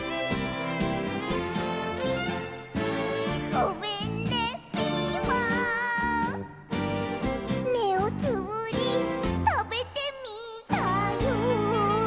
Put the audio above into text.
「ごめんねピーマン」「目をつぶりたべてみたよ」